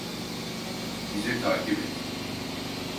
Bizi takip et.